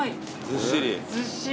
ずっしり。